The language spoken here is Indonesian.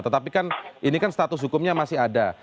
tetapi kan ini kan status hukumnya masih ada